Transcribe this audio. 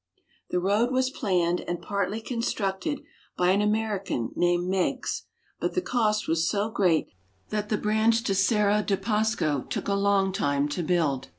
The road was planned and partly constructed by an Amer ican named Meiggs, but the cost was so great that the branch to Cerro de Pasco took a long time to build.